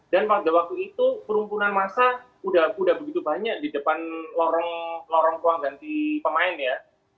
dan pada waktu itu perumpunan massa sudah begitu banyak di depan lorong ruang ganti pemain ya